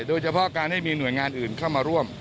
โดยเฉพาะการให้มีหน่วยงานอื่นเข้ามาร่วม